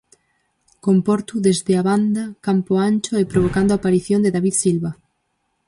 Con Portu desde a banda, campo ancho, e provocando a aparición de David Silva.